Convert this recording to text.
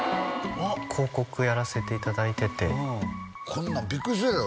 広告やらせていただいててこんなんビックリするやろ？